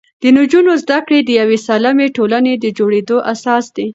د نجونو زده کړې د یوې سالمې ټولنې د جوړېدو اساس دی.